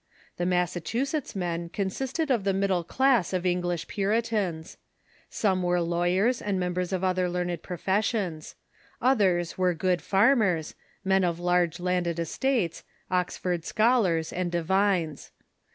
The Massachusetts men consisted of the middle class of English Puritans. Some were lawyers and members of other learned professions. Others were good farmers, men of large landed estates, Oxford scholars, and divines.